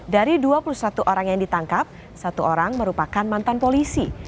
dari dua puluh satu orang yang ditangkap satu orang merupakan mantan polisi